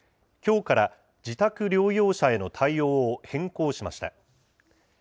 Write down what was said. きょうから自宅療養者への対応を変更しました。